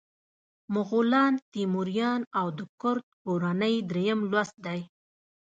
مغولان، تیموریان او د کرت کورنۍ دریم لوست دی.